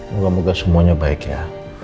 moga moga semuanya baik ya